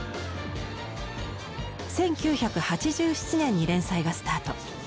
１９８７年に連載がスタート。